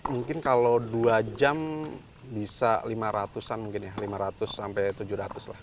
mungkin kalau dua jam bisa lima ratus an mungkin ya lima ratus sampai tujuh ratus lah